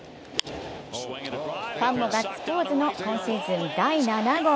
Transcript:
ファンもガッツポーズの今シーズン第７号。